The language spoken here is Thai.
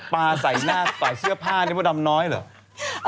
มาใส่หน้าถ่ายเสื้อผ้าได้พวกดำน้อยเหรอ